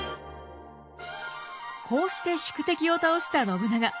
こうして宿敵を倒した信長。